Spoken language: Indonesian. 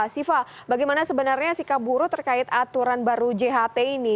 siva bagaimana sebenarnya sikap buruh terkait aturan baru jht ini